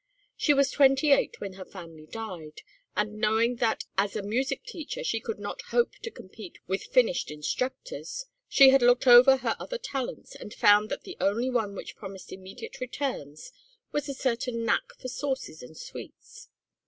She was twenty eight when her family died, and knowing that as a music teacher she could not hope to compete with finished instructors, she had looked ever her other talents and found that the only one which promised immediate returns was a certain knack for sauces and sweets.